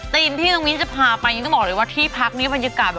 ตีนที่วิ้งวิ้งจะพาไปยังต้องบอกเลยว่าที่พักมันเป็นบรรยากาศ